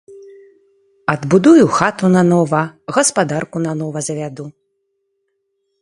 Адбудую хату нанова, гаспадарку нанова завяду.